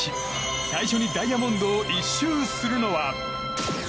最初にダイヤモンドを１周するのは。